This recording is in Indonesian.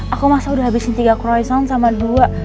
aku masa udah habisin tiga croissant sama dua